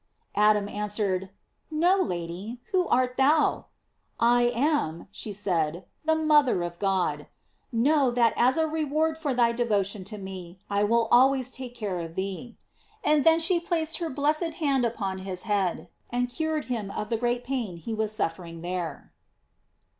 Adam answered: "No, Lady; who art thou?" "I am," she said, "the mother of God. Know, that as a reward for thy devotion to me, I will always take care of thee." And then she placed her blessed hand upon hia head, and cured him of the great pain he was suffering there.